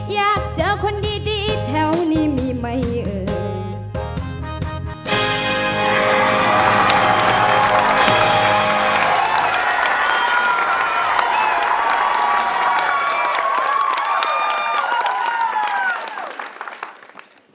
อยากเจอคนดีแถวนี้มีไหมเอ่ย